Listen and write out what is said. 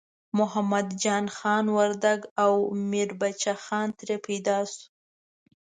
محمد جان خان وردګ او میربچه خان ترې پیدا شو.